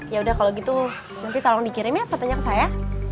ya udah kalau gitu nanti tolong dikirim ya katanya ke saya